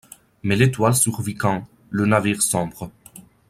Mais l'étoile survit quand. le navire sombre ;